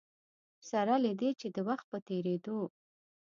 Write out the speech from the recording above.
سره له دې چې د وخت په تېرېدو.